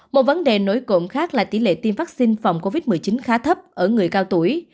một vấn đề nối cộng khác là tỉ lệ tiêm vaccine phòng covid một mươi chín khá thấp ở người cao tuổi